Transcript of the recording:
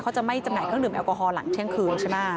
เขาจะไม่จำหน่ายเครื่องดื่แอลกอฮอลหลังเที่ยงคืนใช่ไหม